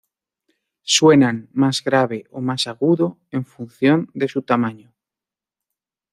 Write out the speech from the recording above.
Suenan más grave o más agudo en función de su tamaño.